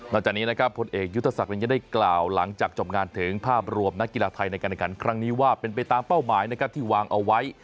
จากนี้นะครับผลเอกยุทธศักดิ์ยังได้กล่าวหลังจากจบงานถึงภาพรวมนักกีฬาไทยในการแข่งขันครั้งนี้ว่าเป็นไปตามเป้าหมายนะครับที่วางเอาไว้